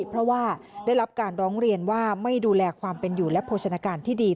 เพราะว่าได้รับการร้องเรียนว่าไม่ดูแลความเป็นอยู่และโภชนาการที่ดี